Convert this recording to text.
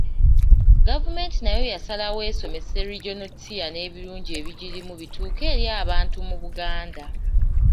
Gavumenti nayo yasalawo esomese Regional Tier n’ebirungi ebirimu bituuke eri abantu mu Buganda.